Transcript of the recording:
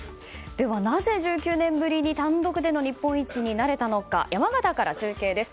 では、なぜ１９年ぶりに単独での日本一になれたのか山形から中継です。